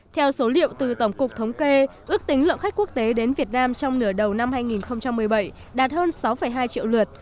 theo số liệu từ tổng cục thống kê ước tính lượng khách quốc tế đến việt nam trong nửa đầu năm hai nghìn một mươi bảy đạt hơn sáu hai triệu lượt